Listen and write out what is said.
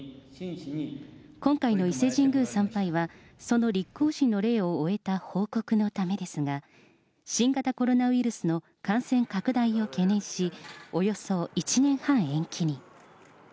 今回の伊勢神宮参拝は、その立皇嗣の礼を終えた報告のためですが、新型コロナウイルスの感染拡大を懸念し、およそ１年半延期に。